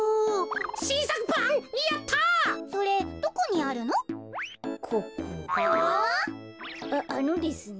ああのですね